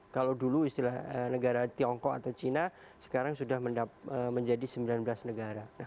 kalau dulu istilah negara tiongkok atau cina sekarang sudah menjadi sembilan belas negara